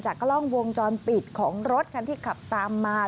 กล้องวงจรปิดของรถคันที่ขับตามมา